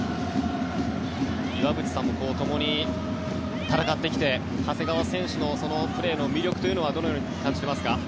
岩渕さんもともに戦ってきて長谷川選手のプレーの魅力というのはどのように感じていますか？